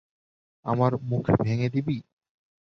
আবার মুখ ভেঙে দিবি?